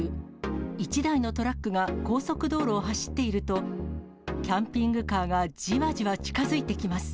１台のトラックが高速道路を走っていると、キャンピングカーがじわじわ近づいてきます。